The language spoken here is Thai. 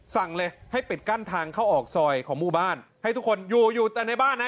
สั่งเลยให้ปิดกั้นทางเข้าออกซอยของหมู่บ้านให้ทุกคนอยู่อยู่แต่ในบ้านนะ